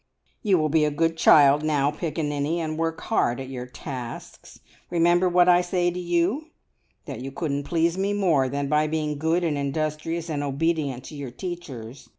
"You will be a good child now, piccaninny, and work hard at your tasks. Remember what I say to you, that you couldn't please me more than by being good and industrious, and obedient to your teachers.